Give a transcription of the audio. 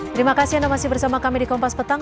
terima kasih anda masih bersama kami di kompas petang